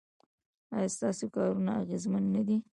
ایا ستاسو کارونه اغیزمن نه دي؟